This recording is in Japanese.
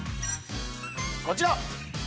こちら！